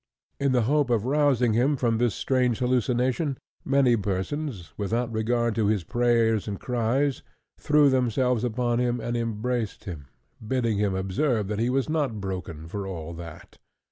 In the hope of rousing him from this strange hallucination, many persons, without regard to his prayers and cries, threw themselves upon him and embraced him, bidding him observe that he was not broken for all that.